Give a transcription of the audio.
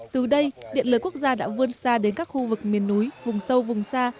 từ đây điện lưới quốc gia đã vươn xa đến các khu vực miền núi vùng sâu vùng xa